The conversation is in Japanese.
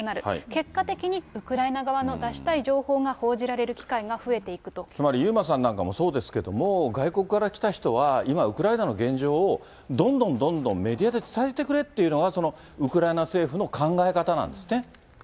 結果的にウクライナ側の出したい情報が報じられる機会つまり遊馬さんなんかもそうですけれども、外国から来た人は、今、ウクライナの現状をどんどんどんどんメディアで伝えてくれっていうのが、ウクライナ政府の考え方なんですね？